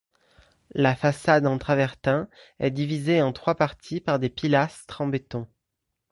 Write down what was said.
La façade en travertin est divisée en trois parties par des pilastres en béton.